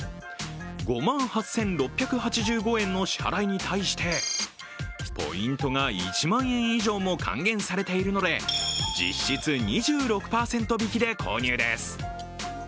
５万８６８５円の支払いに対してポイントが１万円以上も還元されているので、実質２６％引きで購入です。